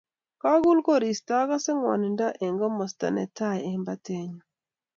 Kagul koristo agase ngwanindo eng komosta netai eng batenyu